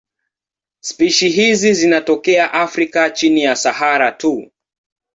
Spishi hizi zinatokea Afrika chini ya Sahara tu.